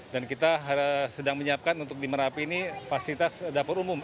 dan kita sedang menyiapkan untuk di merapi ini fasilitas dapur umum